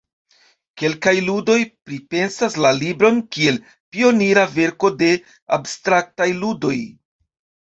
Kelkaj ludoj pripensas la libron kiel pionira verko de abstraktaj ludoj.